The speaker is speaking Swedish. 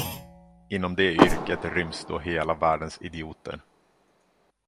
Inom det yrket ryms då hela världens idioter.